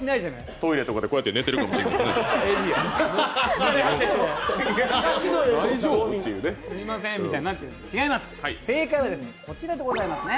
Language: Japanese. トイレとかで、こうやって寝てるかもしれないですね。